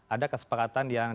ada kesepakatan yang